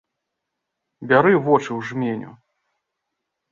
Бяры вочы ў жменю.